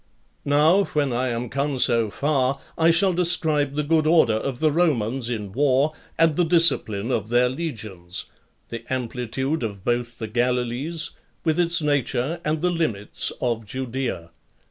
Now, when I am come so far, I shall describe the good order of the Romans in war, and the discipline of their legions; the amplitude of both the Galilees, with its nature, and the limits of Judea.